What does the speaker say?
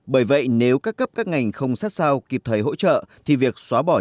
bởi vậy nếu các cấp các ngành không sát sao kịp thời hỗ trợ